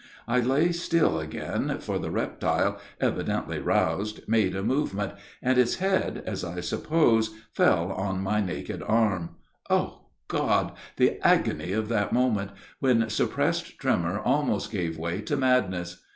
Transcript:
I lay still again, for the reptile, evidently roused, made a movement, and its head, as I suppose, fell on my naked arm. Oh God! the agony of that moment, when suppressed tremor almost gave way to madness!